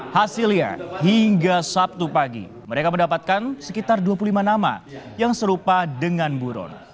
hasilnya hingga sabtu pagi mereka mendapatkan sekitar dua puluh lima nama yang serupa dengan buron